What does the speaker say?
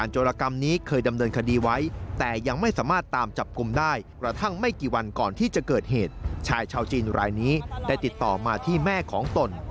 ชายชาวจีนรายนี้ได้ติดต่อมาที่แม่ของตน